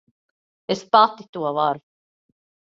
Es pati to varu.